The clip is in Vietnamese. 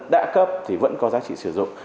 đã cấp thì vẫn có giá trị sử dụng